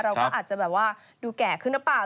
เราก็อาจจะแบบว่าดูแก่ขึ้นหรือเปล่า